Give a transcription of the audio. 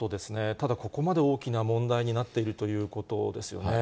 ただ、ここまで大きな問題になっているということですよね。